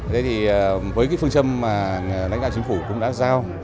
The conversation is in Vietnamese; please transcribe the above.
với cái phương châm mà lãnh đạo chính phủ cũng đã giao